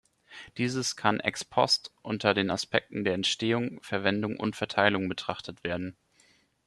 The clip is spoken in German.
Dieses kann "ex post" unter den Aspekten der Entstehung, Verwendung und Verteilung betrachtet werden.